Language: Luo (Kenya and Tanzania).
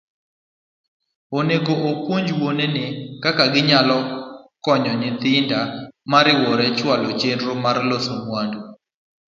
Onego opuonj wuone kaka ginyalo konyo nyithindgi ma rowere chwalo chenro mag loso mwandu.